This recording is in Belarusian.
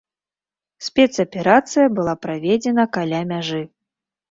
Спецаперацыя была праведзена каля мяжы.